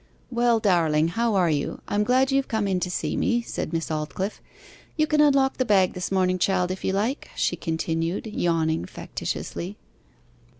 'Well, darling, how are you? I am glad you have come in to see me,' said Miss Aldclyffe. 'You can unlock the bag this morning, child, if you like,' she continued, yawning factitiously.